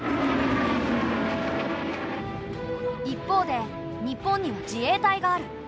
一方で日本には自衛隊がある。